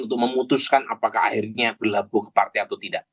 untuk memutuskan apakah akhirnya berlabuh ke partai atau tidak